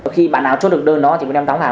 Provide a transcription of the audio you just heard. khi bạn nào chốt được đơn đó thì bọn em đóng hàng